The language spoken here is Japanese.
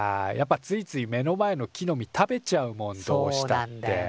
やっぱついつい目の前の木の実食べちゃうもんどうしたって。